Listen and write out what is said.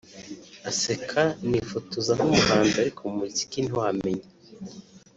Aseka) Nifotoza nk’umuhanzi ariko mu muziki ntiwamenya